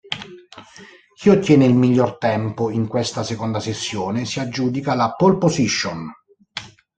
Chi ottiene il miglior tempo in questa seconda sessione si aggiudica la pole position.